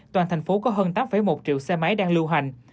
toàn thành phố có hơn tám một triệu xe máy đang lưu hành